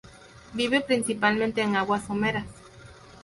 Viven principalmente en aguas someras.